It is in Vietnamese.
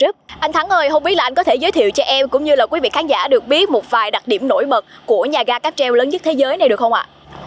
không biết là anh có thể giới thiệu cho em cũng như là quý vị khán giả được biết một vài đặc điểm nổi bật của nhà ga cáp treo lớn nhất thế giới này được không ạ